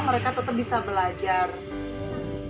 mereka tetap bisa belajar